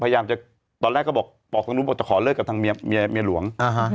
พยายามจะตอนแรกเขาบอกเถิดมาแนวนูบอกจะขอเลิกกับทางเมียหลวง